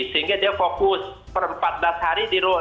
sehingga dia fokus per empat belas hari di root